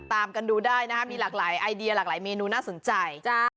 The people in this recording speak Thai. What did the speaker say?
ตามกันดูได้นะครับมีหลากหลายไอเดียหลากหลายเมนูน่าสนใจ